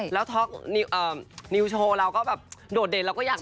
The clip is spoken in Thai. แล้วนิวโชว์เราก็แบบโดดเด่นเราก็อยาก